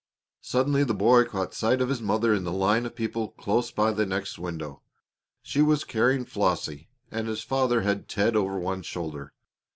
Suddenly the boy caught sight of his mother in the line of people close by the next window. She was carrying Flossie, and his father had Ted over one shoulder.